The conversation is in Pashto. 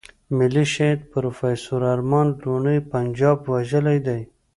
ملي شهيد پروفېسور ارمان لوڼی پنجاب وژلی دی.